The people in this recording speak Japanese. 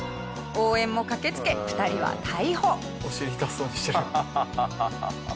応援も駆け付け２人は逮捕。